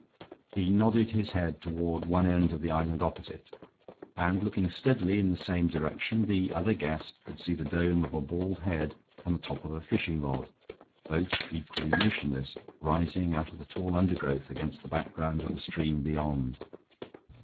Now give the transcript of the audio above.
He nodded his head toward one end of the island opposite, and, looking steadily in the same direction, the other guest could see the dome of a bald head and the top of a fishing rod, both equally motionless, rising out of the tall undergrowth against the background of the stream beyond.